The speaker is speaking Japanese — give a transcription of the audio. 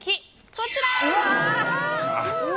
こちら！